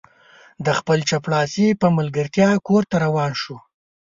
د خپل چپړاسي په ملګرتیا کور ته روان شو.